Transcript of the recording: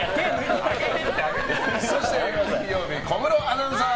そして金曜日は小室アナウンサー。